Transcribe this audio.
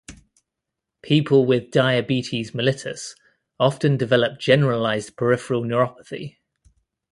People with diabetes mellitus often develop generalized peripheral neuropathy.